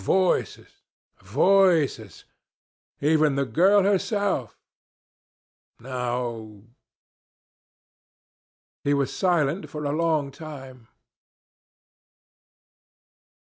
Voices, voices even the girl herself now " He was silent for a long time.